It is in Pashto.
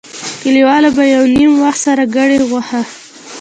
کلیوالو به یو نیم وخت سره کړې غوښه.